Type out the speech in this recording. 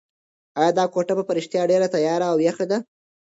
ایا دا کوټه په رښتیا ډېره تیاره او یخه ده؟